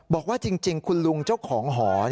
บอกว่าจริงคุณลุงเจ้าของหอ